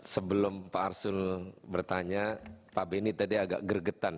sebelum pak arsul bertanya pak benny tadi agak gregetan